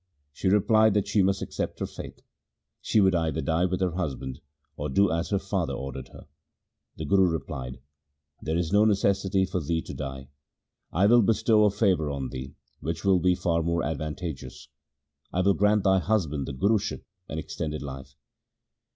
She replied that she must accept her fate. She would either die with her husband, or do as her father ordered her. The Guru replied :' There is no necessity for thee to die, I will bestow a favour on thee, which will be far more advantageous; I will grant thy husband the Guruship, and extended life.'